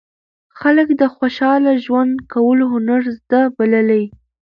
خلک یې د خوشاله ژوند کولو هنر زده بللی.